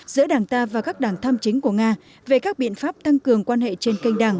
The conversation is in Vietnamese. giữa đảng ta và các đảng tham chính của nga về các biện pháp tăng cường quan hệ trên kênh đảng